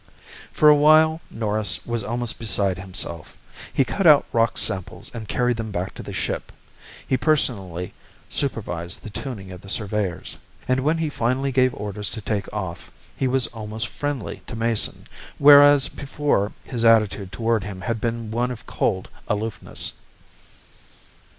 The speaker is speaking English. For a while Norris was almost beside himself. He cut out rock samples and carried them back to the ship. He personally supervised the tuning of the surveyors. And when he finally gave orders to take off, he was almost friendly to Mason, whereas before his attitude toward him had been one of cold aloofness.